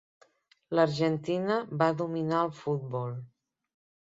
L'Argentina va dominar el futbol.